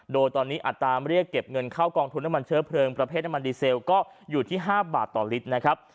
โดยตอนนี้อัตราเรียกเก็บเงินเข้ากองทุนน้ำมันเชื้อเพลิงประเภทน้ำมันดีเซลก็อยู่ที่๕บาทต่อลิตรนะครับ